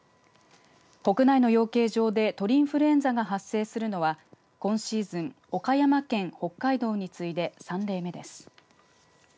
国内の養鶏場で鳥インフルエンザが発生するのは今シーズン岡山県、北海道に次いで３例目です。